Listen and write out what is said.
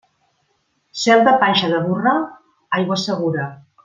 Cel de panxa de burra? Aigua segura.